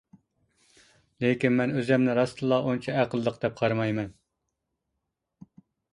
لېكىن مەن ئۆزۈمنى راستتىنلا ئۇنچە ئەقىللىك دەپ قارىمايمەن.